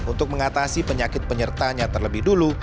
untuk mengatasi penyakit penyertanya terlebih dulu